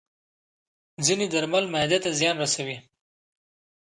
ځینې درمل معده ته زیان رسوي.